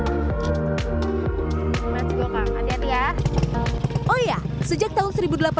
sejak tahun seribu delapan ratus an masyarakat cimenyan sudah mulai memproduksi peyem